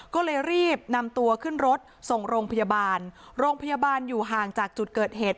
ก็เลยรีบนำตัวขึ้นรถส่งโรงพยาบาลโรงพยาบาลอยู่ห่างจากจุดเกิดเหตุ